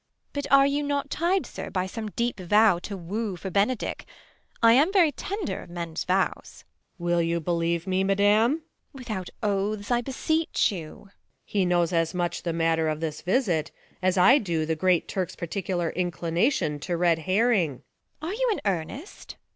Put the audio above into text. But are you not tied, sir, by some deep vow To woo for Benedick 1 I am very tender Of men's vows. Luc. Will you believe me, madam ? Beat. Without oaths, I beseech you. Luc. He knows as much the matter of this visit, As I do of the Great Turk's particular Liclination to red herring. Beat. Are you in earnest